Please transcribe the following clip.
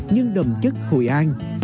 nhưng đầm chất hội an